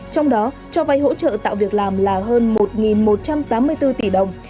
trong đó cho vay hỗ trợ tạo việc làm là hơn một một trăm tám mươi bốn tỷ đồng